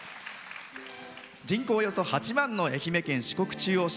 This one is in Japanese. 人口およそ８万の愛媛県四国中央市。